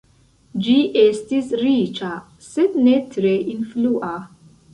Ĝi estis riĉa, sed ne tre influa.